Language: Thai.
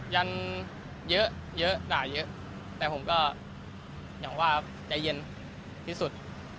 ยันเยอะเยอะด่าเยอะแต่ผมก็อย่างว่าใจเย็นที่สุด